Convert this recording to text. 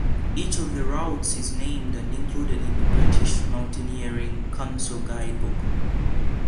Each of the routes is named and included in the British Mountaineering Council guidebook.